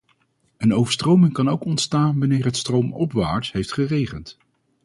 Een overstroming kan ook ontstaan wanneer het stroomopwaarts heeft geregend.